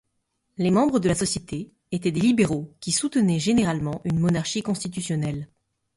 Les membres de la Société étaient des libéraux qui soutenaient généralement une monarchie constitutionnelle.